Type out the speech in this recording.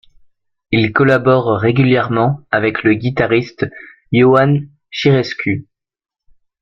Ils collaborent régulièrement avec le guitariste Yoan Chirescu.